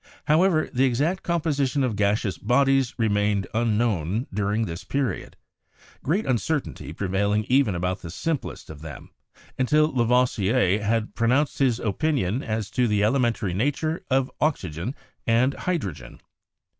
However, the exact composition of gaseous bodies remained unknown during this period, great uncertainty prevailing even about the simplest of them, until Lavoisier had pronounced his opinion as to the elementary nature of oxygen and hydrogen.